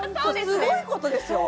すごいことですよ